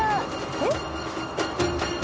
えっ？